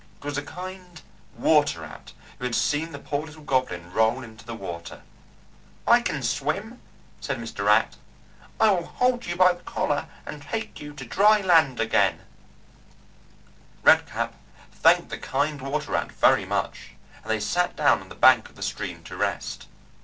It was a kind water rat who had seen the poor little goblin roll into the water. "I can swim," said Mr. Rat. "I will hold you by the collar and take you to dry land again." Red Cap thanked the kind water rat very much, and they sat down on the bank of the stream to rest.